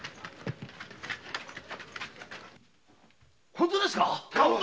本当ですか？